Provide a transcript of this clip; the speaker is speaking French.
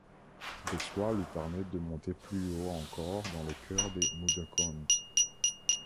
Cet exploit lui permet de monter plus haut encore dans le cœur des Mudokons.